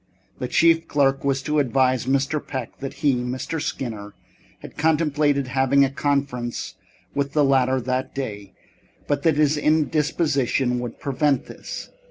The chief clerk was to advise Mr. Peck that he, Mr. Skinner, had contemplated having a conference with the latter that day, but that his indisposition would prevent this.